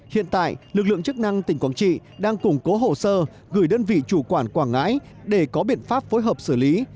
hiện tại lực lượng chức năng tỉnh quảng trị đang củng cố hồ sơ gửi đơn vị chủ quản quảng ngãi để có biện pháp phối hợp xử lý